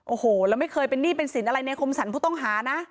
โอ้โหแล้วไม่เคยเป็นหนี้เป็นสินอะไรในคมสรรผู้ต้องหานะ